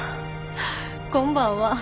こんばんは。